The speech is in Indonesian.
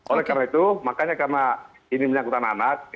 oleh karena itu makanya karena ini menyangkut anak